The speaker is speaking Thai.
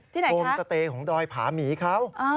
ที่ไหนครับโฮมสเตย์ของดอยผามีเขา